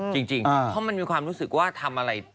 จริงเพราะมันมีความรู้สึกว่าทำอะไร